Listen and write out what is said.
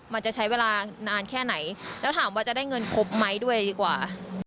มันจะใช้เวลานานแค่ไหนแล้วถามว่าจะได้เงินครบไหมด้วยดีกว่า